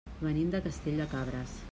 Venim de Castell de Cabres.